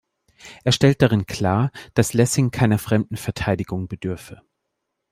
Er stellt darin klar, dass Lessing keiner fremden Verteidigung bedürfe.